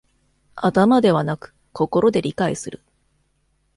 頭ではなく心で理解する